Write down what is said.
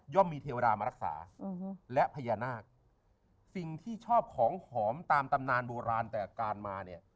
มีเทวดามารักษาและพญานาคสิ่งที่ชอบของหอมตามตำนานโบราณแต่การมาเนี่ย